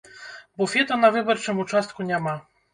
Буфета на выбарчым участку няма.